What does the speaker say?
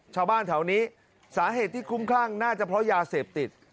ชาวบ้านแถวนี้สาเหตุที่คุ้มคลั่งน่าจะเพราะยาเสพติด